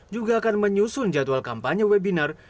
juga akan menyusun jadwal kampanye webinar